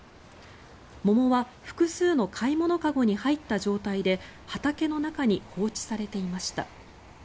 桃は複数の買い物籠に入った状態で畑の中に放置されていました。